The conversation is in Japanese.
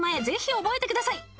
ぜひ覚えてください。